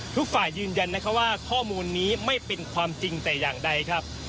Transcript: ทุกฝ่ายยืนยันนะคะว่าข้อมูลนี้ไม่เป็นความจริงแต่อย่างใดครับ